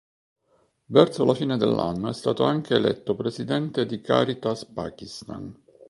Verso la fine dell'anno è stato anche eletto presidente di Caritas Pakistan.